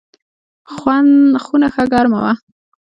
خونه ښه ګرمه وه.